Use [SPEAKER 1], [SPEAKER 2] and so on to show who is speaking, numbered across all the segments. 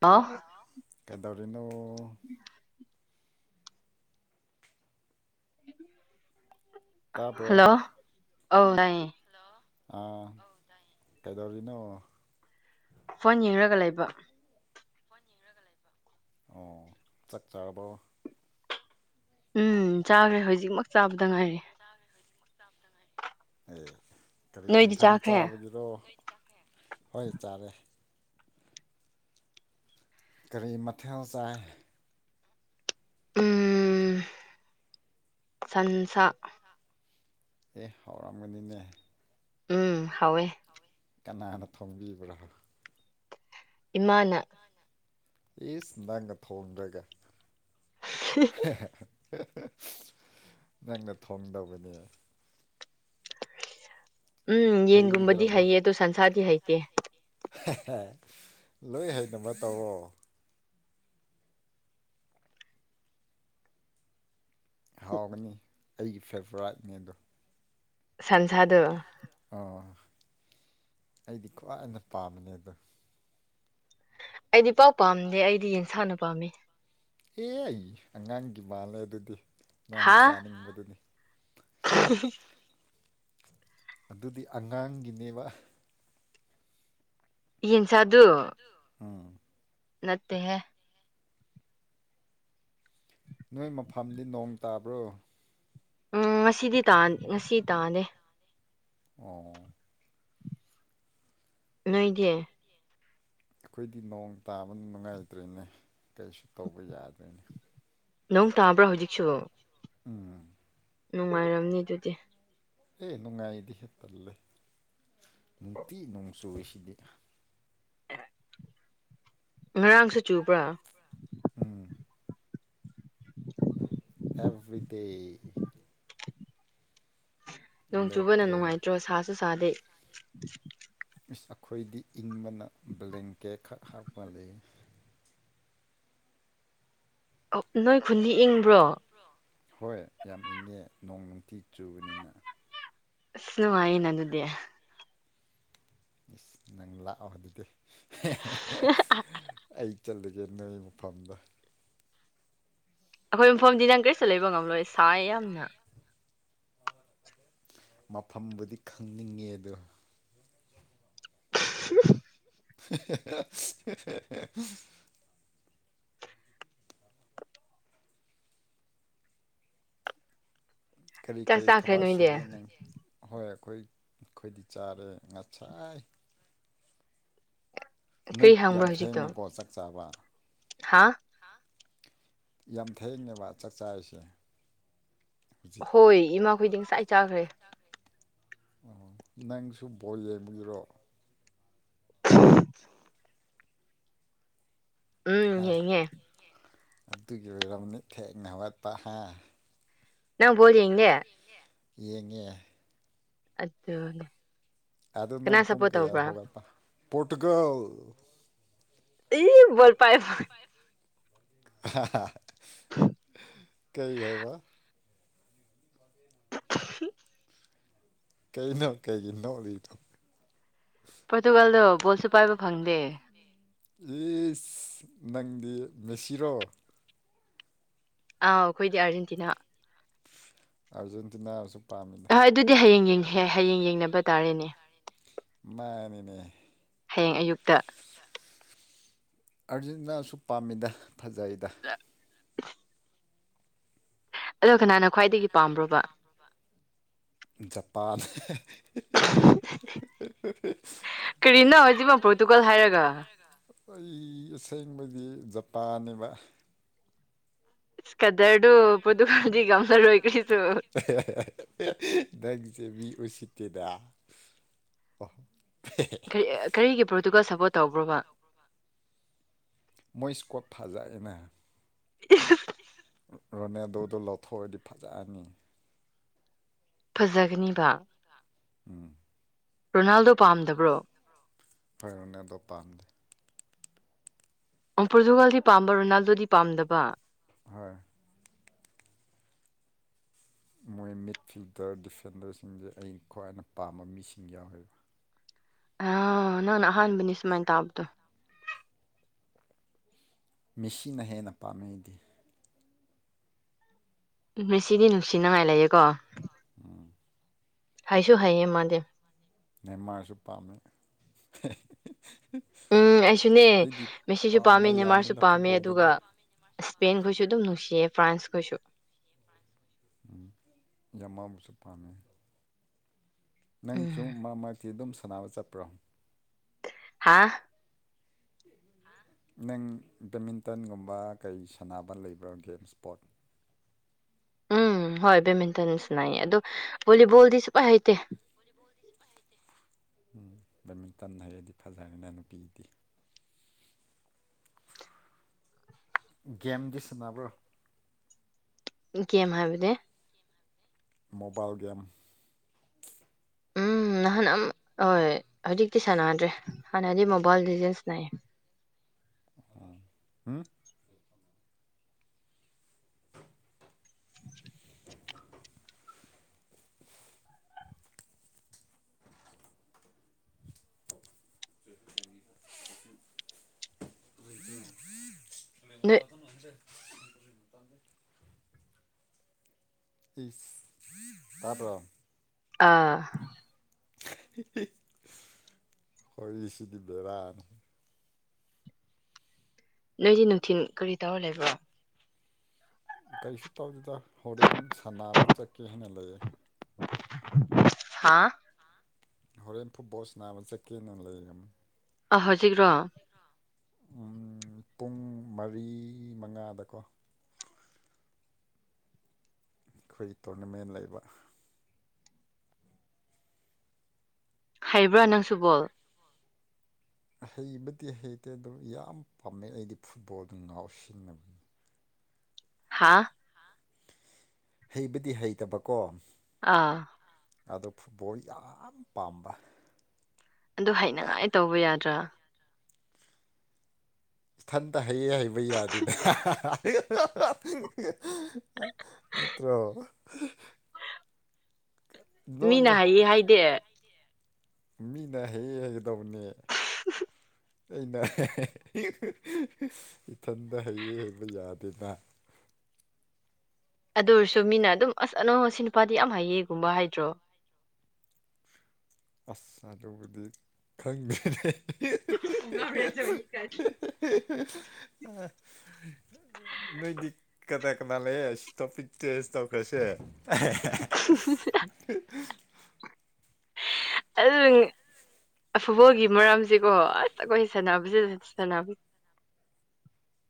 [SPEAKER 1] ꯑ
[SPEAKER 2] ꯑꯗꯨꯅꯣ
[SPEAKER 1] ꯎ
[SPEAKER 2] ꯇꯥꯄ꯭ꯔꯣ
[SPEAKER 1] ꯑꯣ
[SPEAKER 2] ꯑꯥ ꯀꯩꯗꯧꯔꯤꯅꯣ
[SPEAKER 1] ꯐꯣꯟ ꯌꯦꯡꯂꯡꯒ ꯂꯩꯕ
[SPEAKER 2] ꯑꯣ ꯆꯠꯆꯥꯥꯕ
[SPEAKER 1] ꯎꯝ ꯆꯥꯈ꯭ꯔꯦ ꯍꯧꯖꯤꯛꯃꯛ ꯆꯥꯕꯗ ꯉꯥꯏꯔ
[SPEAKER 2] ꯑꯦ ꯀꯔꯤ
[SPEAKER 1] ꯅꯣꯏꯗꯤ
[SPEAKER 2] ꯑꯟꯊꯥꯡ
[SPEAKER 1] ꯆꯥꯈ꯭ꯔꯦ
[SPEAKER 2] ꯆꯥꯕꯒꯤꯔꯣ ꯍꯣꯏ ꯆꯥꯔꯦ ꯀꯔꯤ ꯃꯊꯦꯜ ꯆꯥꯏ
[SPEAKER 1] ꯎꯝ ꯁꯟꯁꯥ
[SPEAKER 2] ꯑꯦ ꯍꯧꯥꯎꯔꯝꯒꯅꯤꯅꯦ
[SPEAKER 1] ꯎꯝ ꯍꯋꯦ
[SPEAKER 2] ꯀꯅꯥꯅ ꯊꯣꯡꯕꯤꯕ꯭ꯔꯣ
[SPEAKER 1] ꯏꯃꯥꯅ
[SPEAKER 2] ꯏꯁꯁ ꯅꯪꯒ ꯊꯣꯡꯗ꯭ꯔꯒ ꯅꯪꯅ ꯊꯣꯡꯗꯧꯕꯅꯦ
[SPEAKER 1] ꯎꯝ ꯌꯦꯟꯒꯨꯝꯕꯗꯤ
[SPEAKER 2] ꯍꯩꯗ꯭ꯔꯕꯣ
[SPEAKER 1] ꯍꯩꯌꯦ ꯑꯗꯣ ꯁꯟꯁꯥꯔꯗꯤ ꯍꯩꯇꯦ
[SPEAKER 2] ꯂꯣꯏ ꯍꯕ ꯇꯧꯔꯣ ꯍꯥꯎꯒꯅꯤ ꯑꯩꯒꯤ ꯐꯦꯚꯣꯔꯥꯏꯠꯅꯦ ꯑꯗꯣ
[SPEAKER 1] ꯁꯟꯖꯥꯗꯨꯣ
[SPEAKER 2] ꯑꯩꯗꯤꯀꯣ ꯑꯩꯅ ꯄꯥꯝꯕꯅꯦ ꯑꯗꯣ
[SPEAKER 1] ꯑꯩꯗꯤ ꯄꯥꯎ ꯄꯥꯝꯗꯦ ꯑꯩꯗꯤ ꯌꯦꯟꯁꯥꯡꯅ ꯄꯥꯝꯃꯤ
[SPEAKER 2] ꯑꯦ ꯑꯩ ꯑꯉꯥꯡꯒꯤ ꯃꯥꯜꯂꯦ ꯑꯗꯨꯗꯤ ꯅꯪ
[SPEAKER 1] ꯍꯥ
[SPEAKER 2] ꯆꯥꯅꯤꯡꯕꯗꯨꯅꯤ ꯑꯗꯨꯗꯤ ꯑꯉꯥꯡꯒꯤꯅꯦꯕ
[SPEAKER 1] ꯌꯦꯟ ꯆ ꯑꯗꯨ
[SPEAKER 2] ꯎꯝ
[SPEAKER 1] ꯅꯠꯇꯍꯦ
[SPEAKER 2] ꯅꯣꯏ ꯃꯐꯝꯗꯤ ꯅꯣꯡ ꯇꯥꯕ꯭ꯔꯣ
[SPEAKER 1] ꯎꯝ ꯉꯁꯤꯗꯤ ꯉꯁꯤꯗꯤ ꯇꯥꯅꯦꯦ
[SPEAKER 2] ꯑꯣ
[SPEAKER 1] ꯅꯣꯏꯒꯤ
[SPEAKER 2] ꯑꯩꯈꯣꯏꯗꯤ ꯅꯣꯡ ꯇꯥꯕ ꯅꯨꯡꯉꯥꯏꯇ꯭ꯔꯦꯅꯦ ꯀꯔꯤꯁꯨ ꯇꯧꯕ ꯌꯥꯗ꯭ꯔꯦꯅꯦ
[SPEAKER 1] ꯅꯪ ꯇꯥꯕ꯭ꯔꯥ ꯍꯧꯖꯤꯛꯁꯨ
[SPEAKER 2] ꯎꯝ
[SPEAKER 1] ꯅꯨꯡꯉꯥꯏꯔꯝꯅꯤ ꯑꯗꯨꯗꯤ
[SPEAKER 2] ꯑꯦ ꯅꯨꯡꯉꯥꯏꯗꯤ ꯍꯦ ꯇꯜꯂ ꯅꯨꯡꯇꯤ ꯅꯣꯡ ꯆꯨꯁꯤꯗꯤ
[SPEAKER 1] ꯉꯔꯥꯡꯁꯨ ꯆꯨꯕ꯭ꯔꯥ
[SPEAKER 2] ꯎꯝ ꯐꯗ
[SPEAKER 1] ꯅꯣꯡ ꯆꯨꯕꯅ
[SPEAKER 2] ꯂꯦꯞꯇ꯭ꯔꯦꯅꯦ
[SPEAKER 1] ꯅꯨꯡꯉꯥꯏꯇ꯭ꯔꯣ ꯁꯥꯁꯨ ꯁꯥꯗꯦ
[SPEAKER 2] ꯏꯁ ꯑꯩꯈꯣꯏꯗꯤ ꯏꯪꯕꯅ ꯕ꯭ꯂꯦꯡꯀꯦꯠ ꯈꯛ ꯍꯥꯞꯄ ꯂꯩ
[SPEAKER 1] ꯅꯣꯏ ꯈꯨꯗꯤ ꯏꯪꯕ꯭ꯔꯣ
[SPEAKER 2] ꯍꯣꯏ ꯌꯥꯝ ꯏꯪꯉꯦ ꯅꯣꯡ ꯅꯨꯡꯇꯤ ꯆꯨꯕꯅꯤꯅ
[SPEAKER 1] ꯅꯨꯃ ꯌꯦꯅ ꯑꯗꯨꯗꯦ
[SPEAKER 2] ꯏꯁ ꯅꯪ ꯂꯥꯛꯑꯣ ꯑꯗꯨꯗꯤ ꯑꯩ ꯆꯠꯂꯒꯦ ꯅꯣꯏ ꯃꯐꯝꯗ
[SPEAKER 1] ꯑꯩꯈꯣꯏ ꯃꯐꯝꯗꯤ ꯅꯪ ꯀꯔꯤꯇ ꯂꯩꯕ ꯉꯝꯂꯣꯏ ꯁꯥꯏ ꯌꯥꯝꯅ
[SPEAKER 2] ꯃꯐꯝꯕꯨꯗꯤ ꯈꯪꯅꯤꯡꯉꯦ ꯑꯗꯣ [inaudible] ꯀꯔꯤ
[SPEAKER 1] ꯆꯥꯛ
[SPEAKER 2] ꯀꯔꯤ
[SPEAKER 1] ꯆꯥꯈ꯭ꯔꯦ
[SPEAKER 2] ꯊꯕꯛ
[SPEAKER 1] ꯅꯣꯏꯗꯤ
[SPEAKER 2] ꯁꯨꯔꯦ ꯅꯪ ꯍꯣꯏ ꯑꯩꯈꯣꯏ ꯑꯩꯈꯣꯏꯗꯤ ꯆꯥꯔꯦ ꯉꯁꯥꯏ
[SPEAKER 1] ꯀꯔꯤ
[SPEAKER 2] ꯅꯨꯠ ꯌꯥꯝ ꯊꯦꯡꯉꯦꯀꯣ ꯆꯥꯛ ꯆꯥꯕ
[SPEAKER 1] ꯍꯥꯥ
[SPEAKER 2] ꯌꯥꯝ ꯊꯩꯉꯦꯕ ꯆꯥꯛꯆꯥ ꯍꯥꯏꯁꯦ
[SPEAKER 1] ꯍꯣꯏ ꯏꯃꯥꯈꯣꯏꯗꯤꯡ ꯆꯥꯛ ꯆꯥꯈ꯭ꯔꯦ
[SPEAKER 2] ꯑꯣ ꯅꯪꯁꯨ ꯕꯣꯜ ꯌꯦꯡꯕꯒꯤꯔꯣ
[SPEAKER 1] ꯎꯝ
[SPEAKER 2] ꯍꯥ
[SPEAKER 1] ꯌꯦꯉꯦ
[SPEAKER 2] ꯑꯗꯨꯒꯤ ꯑꯣꯏꯔꯝꯅꯤ ꯊ ꯉꯋꯥ ꯇ ꯍꯥꯏ
[SPEAKER 1] ꯅ ꯄꯗꯤꯉꯦ
[SPEAKER 2] ꯌꯦꯡꯉꯦ
[SPEAKER 1] ꯑꯗꯨꯗꯅꯦ
[SPEAKER 2] ꯑꯗꯨꯗ ꯅꯪ ꯄ ꯄꯨꯨꯡ ꯀꯌꯥ ꯍꯒꯠꯇ ꯄꯣꯇꯨꯒꯜ
[SPEAKER 1] ꯏ ꯣ ꯄꯥꯏ
[SPEAKER 2] ꯀꯩ ꯍꯥꯏꯏꯕ
[SPEAKER 1] [inaudible]
[SPEAKER 2] ꯀꯩ ꯅ ꯀꯩ ꯀ ꯅꯗ ꯇ
[SPEAKER 1] ꯄꯣꯔꯇꯨꯒꯥꯜꯗꯣ ꯕꯣꯜꯁꯨ ꯄꯥꯏꯕ ꯐꯪꯗꯦ
[SPEAKER 2] ꯏꯁ ꯅꯪꯗꯤ ꯃꯦꯁꯤꯔꯣ
[SPEAKER 1] ꯑꯥ ꯑꯩꯈꯣꯏꯗꯤ ꯑꯥꯔꯖꯦꯟꯇꯤꯅꯥ
[SPEAKER 2] ꯑꯔꯖꯦꯟꯇꯤꯅꯥ ꯁ
[SPEAKER 1] ꯍ ꯑꯗꯨꯗꯤ ꯍꯌꯦꯡ ꯌꯦꯡ ꯍꯌꯦꯡ ꯌꯦꯡꯅꯕ ꯇꯥꯔꯦꯅꯦ
[SPEAKER 2] ꯃꯅꯦꯅꯦ
[SPEAKER 1] ꯍꯌꯦꯡ ꯑꯌꯨꯛꯇ
[SPEAKER 2] ꯑꯥꯔꯖꯦꯟꯇꯤꯅꯥꯁꯨ ꯄꯥꯝꯃꯤꯗ ꯐꯖꯩꯗ
[SPEAKER 1] [inaudible] ꯑꯗꯀꯦ ꯅꯀꯦ ꯄꯥꯝꯕ꯭ꯔꯕ
[SPEAKER 2] ꯖꯄꯥꯟ
[SPEAKER 1] ꯅꯣ ꯍꯥꯏꯖꯤ
[SPEAKER 2] ꯑꯩ ꯑꯁꯦꯡꯕꯗꯤ ꯖꯄꯥꯟꯅꯦꯕ
[SPEAKER 1] ꯏꯁꯀꯗꯔꯗꯨ ꯄꯣꯔꯇꯨꯒꯥꯜꯗꯤ ꯉꯝꯂꯔꯣꯏ ꯀꯔꯤꯁꯨ
[SPEAKER 2] ꯅꯪꯁꯦ ꯃꯤ ꯎꯁꯤ ꯀꯗꯍ
[SPEAKER 1] ꯀꯔꯤꯒꯤ ꯄ꯭ꯔꯣꯇꯨꯒ ꯁꯞꯄꯣꯔꯠ ꯇꯧꯕ꯭ꯔꯣꯕ
[SPEAKER 2] ꯃꯣꯏ ꯏꯁ꯭ꯀꯣꯞ ꯊꯥꯖꯥꯏ ꯑꯦꯅꯥ
[SPEAKER 1] ꯏ
[SPEAKER 2] ꯔꯣꯅꯦꯗꯣꯗꯣ ꯂꯧꯊꯣꯛꯑꯗꯤ ꯐꯖꯑꯅꯤ
[SPEAKER 1] ꯐꯖꯛꯅꯤꯕ
[SPEAKER 2] ꯎꯝ
[SPEAKER 1] ꯔꯣꯅꯥꯜꯗꯣ ꯄꯥꯝꯗꯕ꯭ꯔꯣ
[SPEAKER 2] ꯐꯔꯅꯦ ꯑꯗꯣ ꯄꯥꯝꯗꯦ
[SPEAKER 1] ꯄꯣꯔꯇꯨꯒꯥꯜꯗꯤ ꯄꯥꯝꯕ ꯔꯣꯅꯥꯜꯗꯣꯗꯤ ꯄꯥꯝꯗꯕ
[SPEAKER 2] ꯍꯣꯏ ꯃꯣꯏ ꯃꯤꯠ ꯐꯤꯜꯗꯔ ꯗꯤꯐꯦꯟꯗꯔꯁꯤꯡꯁꯦ ꯑꯩ ꯈ꯭ꯋꯥꯏꯅ ꯄꯥꯝꯕ ꯃꯤꯁꯤꯡ ꯌꯥꯎꯋꯦꯕ
[SPEAKER 1] ꯑ ꯅꯥꯟ ꯑꯍꯥꯟꯕꯅꯤ ꯁꯨꯃꯥꯏ ꯇ ꯍꯥꯕꯇꯣ
[SPEAKER 2] ꯃꯤꯦꯁꯤꯅ ꯍꯦꯟꯅ ꯄꯥꯝꯅꯩꯗꯤ
[SPEAKER 1] ꯎꯝ ꯉꯁꯤꯗꯤ ꯅꯨꯡꯁꯤꯅꯉꯥꯏ ꯂꯩꯌꯦꯦꯀꯣ
[SPEAKER 2] ꯎꯝ
[SPEAKER 1] ꯍꯥꯏꯁꯨ ꯍꯥꯏꯌꯦ ꯃꯥꯗꯤ [unintelligible]
[SPEAKER 2] ꯅꯦꯝꯃꯥꯔꯁꯨ ꯄꯥꯝꯃꯦ
[SPEAKER 1] ꯎꯝ ꯑꯩꯁꯨꯅꯦ
[SPEAKER 2] ꯑꯩꯗꯤ
[SPEAKER 1] ꯃꯦꯁꯤꯁꯨ ꯄꯥꯝꯃꯦ
[SPEAKER 2] ꯄꯥꯝꯕ
[SPEAKER 1] ꯅꯦꯟꯃꯥꯔꯁꯨ
[SPEAKER 2] ꯌꯥꯝꯃꯤꯅ
[SPEAKER 1] ꯄꯥꯝꯃꯦ ꯑꯗꯨꯒ
[SPEAKER 2] ꯐꯨꯠꯕꯣꯜꯗꯗꯤ
[SPEAKER 1] ꯏꯁꯄꯦꯟꯁꯨ ꯁꯨ ꯑꯗꯨꯝ ꯅꯨꯡꯁꯤꯌꯦ ꯐ꯭ꯔꯥꯟꯁ ꯈꯁꯨ
[SPEAKER 2] ꯕꯨ ꯆꯐꯥꯟꯅꯦꯅꯦ ꯅꯪꯁꯨ
[SPEAKER 1] ꯎꯝ
[SPEAKER 2] ꯃꯥ ꯃꯥꯛꯇꯤ ꯑꯗꯨꯝ ꯁꯥꯟꯅꯕ ꯆꯠꯄ꯭ꯔꯣ
[SPEAKER 1] ꯍꯥ
[SPEAKER 2] ꯅꯪ ꯕꯦꯠꯃꯤꯟꯇꯟꯒꯨꯝꯕ ꯀꯩ ꯁꯥꯟꯅꯕ ꯂꯩꯕ꯭ꯔꯥ ꯒꯦꯝ ꯏꯁꯄꯣꯠ
[SPEAKER 1] ꯎꯝ ꯍꯣꯏ ꯕꯦꯠꯃꯤꯟꯇꯟꯁꯤꯅꯌꯦ ꯑꯗꯣ ꯕꯣꯂꯤꯕꯣꯜꯗꯤ ꯁꯨꯄꯥꯏ ꯍꯩꯇꯦ
[SPEAKER 2] [unintelligible] ꯎꯝ ꯕꯦꯠꯃꯤꯟꯇꯟ ꯍꯥꯏꯔꯗꯤ ꯐꯖꯔꯅ ꯅꯨꯄꯤꯗꯤ ꯒꯦꯝꯒꯤ ꯁꯥꯟꯅꯕ꯭ꯔꯣ
[SPEAKER 1] ꯏ ꯀꯦꯝ ꯍꯥꯏꯕꯅꯦ
[SPEAKER 2] ꯃꯣꯕꯥꯏꯜ ꯦꯝ
[SPEAKER 1] ꯎꯝ ꯅꯍꯥꯟ ꯍꯣꯏ ꯍꯧꯖꯤꯛꯇꯤ ꯁꯥꯟꯅꯗ꯭ꯔꯦ ꯍꯥꯟꯅꯗꯤ ꯃꯣꯕꯥꯏꯜ ꯗꯤꯖꯦꯟꯁꯅꯌꯦ
[SPEAKER 2] [unintelligible] ꯎꯝ
[SPEAKER 1] [unintelligible] ꯅꯣꯏ
[SPEAKER 2] ꯃꯤꯒꯣꯏꯔꯥꯛꯣ ꯅꯪꯁꯦ ꯏ ꯇꯣ
[SPEAKER 1] ꯑꯥ
[SPEAKER 2] ꯍꯣꯏ ꯁꯤꯗꯤ ꯦꯔꯅ
[SPEAKER 1] ꯅꯣꯏꯗꯤ ꯅꯨꯡꯊꯤꯜ ꯀꯔꯤ ꯇꯧꯔ ꯂꯩꯕ꯭ꯔꯣ
[SPEAKER 2] ꯀꯔꯤꯁꯨ ꯇꯧꯗꯦꯗ ꯍꯣꯔꯦꯟ ꯁꯥꯟꯅꯕ ꯆꯠꯀꯦ ꯍꯥꯏꯅ ꯂꯩꯌꯦ
[SPEAKER 1] ꯍꯥꯥ
[SPEAKER 2] ꯍꯣꯔꯦꯟ ꯐꯨꯠꯕꯣꯜꯁ ꯅꯥꯕ ꯆꯠꯀꯦꯅ ꯂꯩꯔꯝꯅꯤ
[SPEAKER 1] ꯑ ꯍꯧꯖꯤꯛ꯭ꯔꯣ
[SPEAKER 2] ꯄꯨꯡ ꯃꯔꯤ ꯃꯉꯥꯗꯀꯣ ꯑꯩꯈꯣꯏꯒꯤ ꯇꯣꯔꯅꯃꯦꯟ ꯂꯩꯕ
[SPEAKER 1] ꯍꯩꯕ꯭ꯔꯥ ꯅꯪꯁꯨꯕꯣꯜ
[SPEAKER 2] ꯍꯩꯕꯗꯤ ꯍꯩꯇꯦ ꯑꯗꯨꯣ ꯌꯥꯝ ꯄꯥꯝꯃꯦ ꯑꯩꯗꯤ ꯐꯨꯠꯕꯣꯜꯗ ꯉꯥꯎꯁꯤꯟꯅꯕꯅꯤ
[SPEAKER 1] ꯍꯥꯥ
[SPEAKER 2] ꯍꯩꯕꯗꯤ ꯍꯩꯇꯕꯀꯣ
[SPEAKER 1] ꯑꯥ
[SPEAKER 2] ꯑꯗꯣ ꯐꯨꯠꯕꯣꯜ ꯌꯥꯝ ꯄꯥꯝꯕ
[SPEAKER 1] ꯑꯗꯨ ꯍꯩꯅꯉꯥꯏ ꯇꯧꯕ ꯌꯥꯗ꯭ꯔꯥ
[SPEAKER 2] ꯏꯊꯟꯇ ꯍꯩꯌꯦ ꯍꯩꯕ ꯌꯥꯗꯦꯗ ꯅꯠꯇ꯭ꯔꯣ ꯅꯣ
[SPEAKER 1] ꯃꯤꯅ
[SPEAKER 2] ꯅꯣ
[SPEAKER 1] ꯍꯥꯏꯌꯦ ꯍꯥꯏꯗꯦ
[SPEAKER 2] ꯃꯤꯅ ꯍꯦꯛ ꯍꯦꯛꯗꯧꯅꯦ ꯑꯩꯅ ꯏꯊꯟꯗ ꯍꯩꯌꯦ ꯍꯩꯕ ꯌꯥꯗꯦꯅ
[SPEAKER 1] ꯑꯗꯨ ꯑꯣꯏꯔꯁꯨ ꯃꯤꯅ ꯑꯗꯨꯝ ꯑꯁ ꯑꯅꯧꯁꯤ ꯅꯨꯄꯥꯗꯤ ꯌꯥꯝ ꯍꯥꯏꯌꯦꯒꯨꯝꯕ ꯍꯥꯏꯗ꯭ꯔꯣ
[SPEAKER 2] ꯑꯁ ꯑꯗꯨꯕꯨꯗꯤ ꯈꯪꯗꯔꯦ
[SPEAKER 1] ꯃꯦꯁꯨ ꯏ ꯀꯔꯤ
[SPEAKER 2] ꯑ ꯅꯣꯏꯗꯤꯛ ꯀꯗꯥ ꯀꯂꯦ ꯁꯇꯣꯄꯤꯛꯇ ꯁꯇꯣꯛꯄꯦꯁꯦ
[SPEAKER 1] ꯑꯗꯨ ꯐꯨꯠꯕꯣꯜꯒꯤ ꯃꯔꯝꯁꯤ ꯀꯣ ꯑꯁ ꯑꯩꯈꯣꯏ ꯁꯥꯟꯅꯕꯁꯤꯦ ꯁꯥꯟꯅꯕ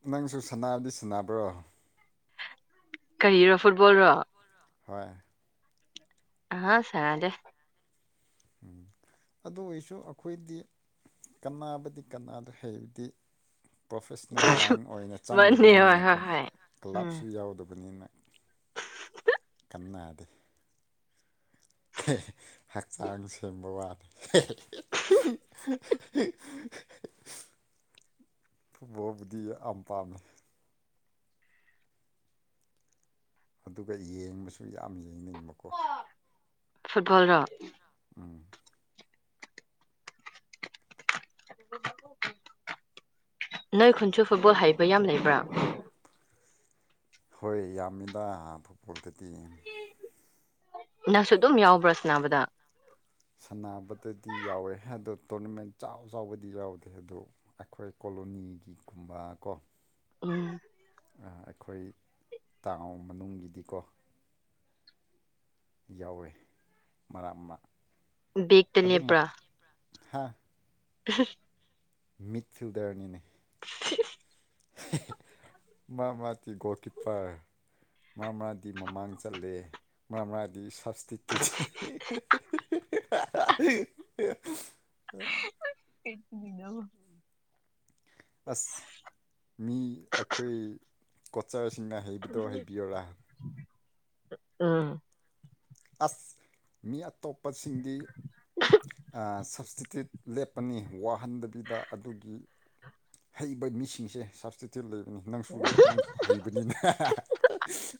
[SPEAKER 2] ꯅꯪꯁꯨ ꯁꯕꯗꯤ ꯁꯅꯕ꯭ꯔꯣ
[SPEAKER 1] ꯀꯔꯤꯔꯣ ꯐꯨꯠꯕꯣꯜ ꯔꯣ
[SPEAKER 2] ꯍꯣꯏ
[SPEAKER 1] ꯑꯥ ꯆꯗꯦ
[SPEAKER 2] ꯎ ꯑꯗꯨ ꯑꯣꯏꯁꯨ ꯑꯩꯈꯣꯏꯗꯤ ꯀꯕꯨꯗꯤ ꯀꯅꯥꯗ꯭ꯔꯦ ꯍꯥꯏꯩꯕꯗꯤ ꯄ꯭ꯔꯣꯐꯦꯁꯅꯦꯜ ꯂꯥꯏꯟ ꯑꯣꯏꯅ
[SPEAKER 1] ꯃꯅꯦ ꯍꯣꯏ ꯍꯣꯏ
[SPEAKER 2] ꯆꯪꯗꯕꯅꯤꯅꯀꯣ
[SPEAKER 1] ꯍꯣꯏ ꯎꯝ
[SPEAKER 2] ꯀ꯭ꯂꯕꯁꯨ ꯌꯥꯎꯗꯕꯅꯤꯅ ꯃꯗ ꯍꯛꯆꯥꯡ ꯁꯦꯝꯕ ꯋꯥꯅꯤ ꯕꯣꯕꯨꯗꯤ ꯌꯥꯝ ꯄꯥꯝꯃꯦ ꯑꯗꯨꯒ ꯌꯦꯡꯕꯁꯨ ꯌꯥꯝ ꯌꯦꯡꯅꯤꯡꯕꯀꯣ
[SPEAKER 1] ꯐꯨꯠꯕꯜ ꯔ ꯅꯣꯏ ꯈꯨꯟꯁꯨ ꯐꯨꯠꯕꯣꯜ ꯍꯥꯏꯩꯕ ꯌꯥꯝ ꯂꯩꯕ꯭ꯔꯥ
[SPEAKER 2] ꯍꯣꯏ ꯌꯥꯝꯃꯤꯗ ꯐꯨꯠꯕꯣꯜꯗꯗꯤ
[SPEAKER 1] ꯅꯪꯁꯨ ꯑꯗꯨꯝ ꯌꯥꯎꯕ꯭ꯔꯥꯅꯥꯕꯗ
[SPEAKER 2] ꯁꯅꯕꯗꯗꯤ ꯌꯥꯎꯋꯦ ꯑꯗꯣ ꯇꯣꯔꯅꯃꯦꯟ ꯆꯥꯎ ꯆꯥꯎꯕꯗꯤ ꯌꯥꯎꯗꯦ ꯑꯗꯨ ꯑꯩꯈꯣꯏꯣ ꯀꯣꯂꯣꯅꯤꯒꯤ ꯀꯨꯝꯕ ꯀꯣ
[SPEAKER 1] ꯎꯝ
[SPEAKER 2] ꯑꯩꯈꯣꯏ ꯇꯥꯎ ꯃꯅꯨꯡꯒꯤꯗꯤꯀꯣ ꯌꯥꯎꯔꯦ ꯃꯔꯛ ꯃ
[SPEAKER 1] ꯕꯦꯒ ꯇꯅꯤꯄ꯭ꯔꯥ
[SPEAKER 2] ꯍꯥꯥ
[SPEAKER 1] ꯎ
[SPEAKER 2] ꯃꯤꯠꯁꯤꯜꯗꯔꯅꯤꯅꯦ ꯃꯥ ꯃꯥꯗꯤꯤ ꯣꯜꯀꯤꯤꯄꯔ ꯃꯔꯛ ꯃꯔꯛꯗꯤ ꯃꯃꯥꯡ ꯆꯠꯂꯦ ꯃꯔꯛ ꯃꯔꯛꯗꯤ ꯆ ꯆ
[SPEAKER 1] ꯀꯦꯆꯕꯤꯗ
[SPEAKER 2] ꯑꯁ ꯃꯤ ꯑꯩꯈꯣꯏ ꯑꯆꯔꯁꯤꯡꯅ ꯍꯩꯕꯗꯣ ꯍꯩꯕꯤꯌꯔꯥ
[SPEAKER 1] ꯑꯥ
[SPEAKER 2] ꯑꯁ ꯃꯤ ꯑꯇꯣꯞꯄꯁꯤꯡꯗꯤ ꯁꯞꯁꯇꯤꯇ꯭ꯌꯨꯠ ꯂꯦꯞꯄꯅꯤ ꯋꯥꯍꯟꯗꯕꯤꯗ ꯑꯗꯨꯒꯤ ꯍꯩꯕ ꯃꯤꯁꯤꯡꯁꯦ ꯁꯞꯇꯤꯇꯤ ꯂꯩꯕ ꯁꯨ ꯂꯩ ꯅꯁꯨ ꯍꯩꯕꯅꯤꯅ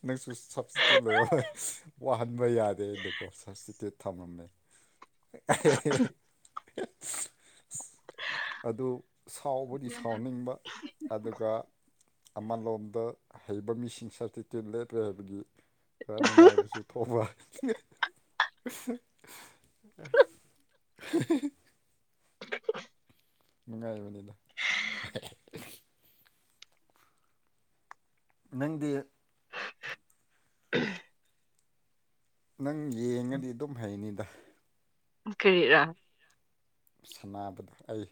[SPEAKER 2] ꯅꯁꯨ ꯁ ꯁꯤꯇ ꯂꯩ ꯄ ꯌꯥꯗꯦ ꯑꯩꯅꯀꯣ ꯁ ꯆꯠꯇꯤ ꯊꯝꯂꯝꯝꯃꯦ ꯑꯗꯨ ꯁꯥꯎꯕꯗꯤ ꯁꯥꯎꯅꯤꯡꯕ ꯑꯗꯨꯒ ꯑꯃꯜ ꯂꯣꯝꯗ ꯍꯩꯕ ꯃꯤꯁꯤꯡ ꯁꯇꯤꯇꯦꯟ ꯂꯦꯞꯂꯦ ꯍꯥꯏꯕꯒꯤ ꯈꯔ ꯅꯨꯡꯉꯥꯏꯕꯁꯨ ꯋꯥ ꯅꯨꯡꯉꯥꯏꯕꯅꯤꯗ ꯅꯪꯗꯤ ꯅꯪ ꯌꯦꯡꯉꯗꯤ ꯑꯗꯨꯝ ꯍꯩꯅꯤꯗ
[SPEAKER 1] ꯀꯔꯤꯗꯥ
[SPEAKER 2] ꯁꯥꯟꯅꯕꯗ ꯑꯩ